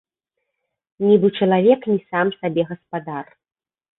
Нібы чалавек не сам сабе гаспадар.